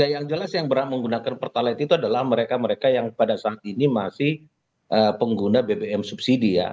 yang jelas yang berhak menggunakan pertalite itu adalah mereka mereka yang pada saat ini masih pengguna bbm subsidi ya